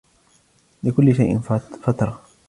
لِكُلِّ شَيْءٍ فَتْرَةٌ